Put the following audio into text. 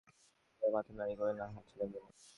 বসন্ত রায় মাথা নাড়িয়া কহিলেন, আহা সে ছেলেমানুষ।